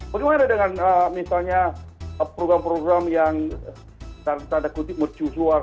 bagaimana dengan misalnya program program yang tanda kutip mercusuar